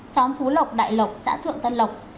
xóm phú lộc đại lộc xã thượng tân lộc